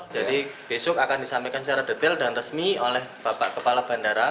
jadi besok akan disampaikan secara detail dan resmi oleh bapak kepala bandara